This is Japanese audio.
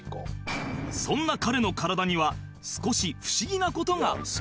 そんな彼の体には少し不思議な事が